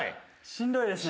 しんどいですね。